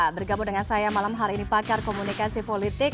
bergabung dengan saya malam hari ini pakar komunikasi politik